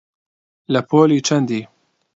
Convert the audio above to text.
لە پۆلی چەندی؟